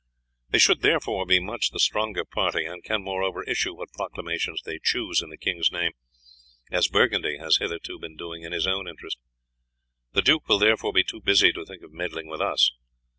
They should therefore be much the stronger party, and can, moreover, issue what proclamations they choose in the king's name, as Burgundy has hitherto been doing in his own interest. The duke will therefore be too busy to think of meddling with us.